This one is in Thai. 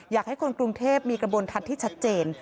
อยากให้คนกรุงเทพมีกระบวนทัศน์ที่ชัดเจน